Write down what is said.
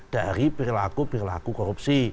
dari perilaku perilaku korupsi